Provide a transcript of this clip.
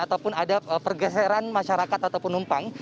ataupun ada pergeseran masyarakat atau penumpang